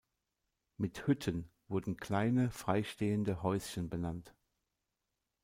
Mit „Hütten“ wurden kleine, freistehende Häuschen benannt.